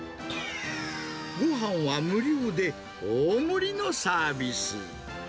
ごはんは無料で大盛りのサービス。